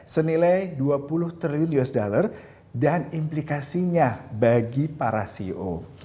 senilai dua puluh triliun dolar amerika serikat dan implikasinya bagi para ceo